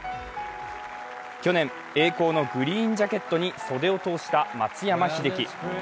去年、栄光のグリーンジャケットに袖を通した松山英樹。